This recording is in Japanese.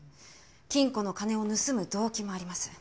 金庫の金を盗む動機もあります。